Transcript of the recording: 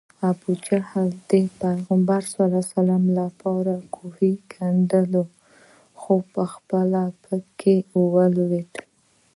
ابوجهل د پیغمبر ص لپاره کوهی کیندلی و خو پخپله پکې ولوېد